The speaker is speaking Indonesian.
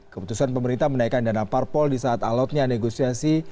keputusan pemerintah menaikkan dana parpol di saat alotnya negosiasi